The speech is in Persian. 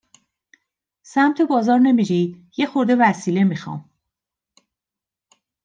سمت بازار نمیری؟ یه خورده وسیله می خوام